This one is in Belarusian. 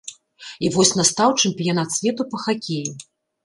І вось настаў чэмпіянат свету па хакеі.